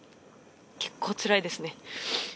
結構つらいですね。